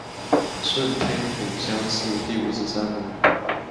顺天府乡试第五十三名。